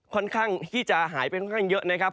ค่อนข้างที่จะหายไปค่อนข้างเยอะนะครับ